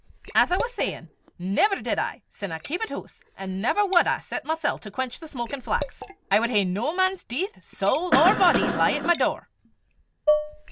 as I was sayin', never did I, sin I keepit hoose, an' never wad I set mysel' to quench the smokin' flax; I wad hae no man's deith, sowl or body, lie at my door."